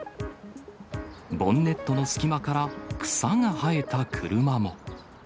ボンネットの隙間から草が生えた車も。